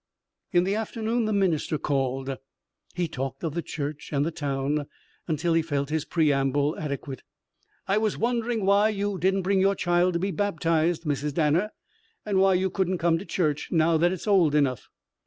In the afternoon the minister called. He talked of the church and the town until he felt his preamble adequate. "I was wondering why you didn't bring your child to be baptized, Mrs. Danner. And why you couldn't come to church, now that it is old enough?"